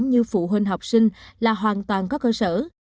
hình học sinh là hoàn toàn có cơ sở